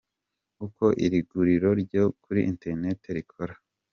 Uko iri guriro ryo kuri Internet rikora.